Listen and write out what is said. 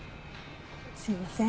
すいません。